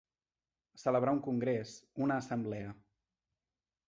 Celebrar un congrés, una assemblea.